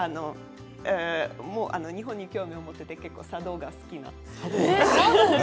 日本に興味を持っていて茶道が好きな。